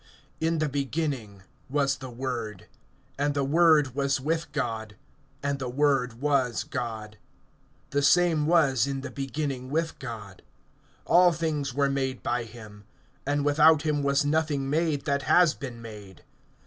IN the beginning was the Word, and the Word was with God, and the Word was God. (2)The same was in the beginning with God. (3)All things were made by him[1:3]; and without him was nothing made that has been made.